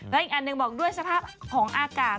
และอีกอันหนึ่งบอกด้วยสภาพของอากาศ